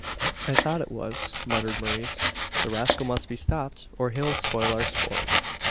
I thought it was!" muttered Maurice. "The rascal must be stopped, or he'll spoil our sport.